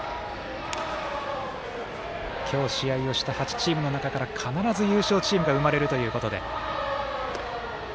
今日、試合をした８チームの中から必ず優勝チームが生まれるということで。